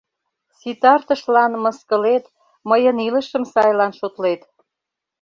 Ситартышлан мыскылет, мыйын илышым сайлан шотлет.